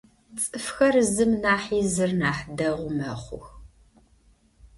Цӏыфхэр зым нахьи зыр нахь дэгъу мэхъух.